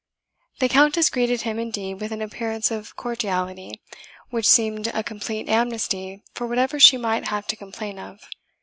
The Countess greeted him indeed with an appearance of cordiality, which seemed a complete amnesty for whatever she might have to complain of.